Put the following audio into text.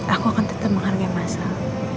aku akan tetep menghargai masal